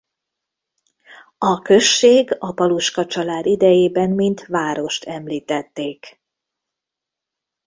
A község a Paluska-család idejében mint várost említették.